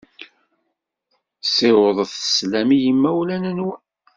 Ssiwḍet sslam i yimawlan-nwen.